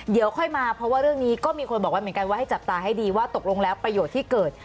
เดี๋ยวค่อยมาเพราะว่าเรื่องนี้ก็มีคนบอกว่าเหมือนกันว่าให้จับตาให้ดีว่าตกลงแล้วประโยชน์ที่เกิด